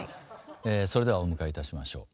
それではお迎えいたしましょう。